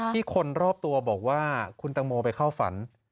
คนรอบตัวบอกว่าคุณตังโมไปเข้าฝัน